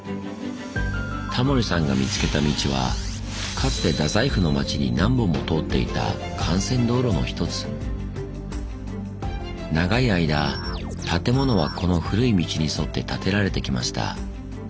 タモリさんが見つけた道はかつて大宰府の街に何本も通っていた長い間建物はこの古い道に沿って建てられてきました。